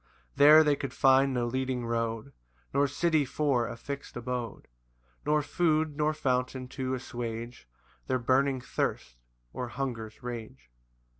4 There they could find no leading road, Nor city for a fix'd abode; Nor food, nor fountain to assuage Their burning thirst, or hunger's rage.